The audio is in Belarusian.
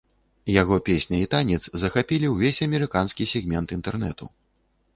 Яго песня і танец захапілі ўвесь амерыканскі сегмент інтэрнэту.